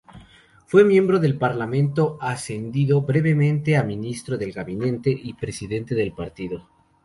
Fue miembro del Parlamento, ascendió brevemente a ministro del gabinete y presidente del partido.